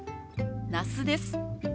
那須です。